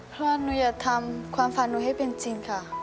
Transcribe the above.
เพราะว่าหนูอย่าทำความฝันหนูให้เป็นจริงค่ะ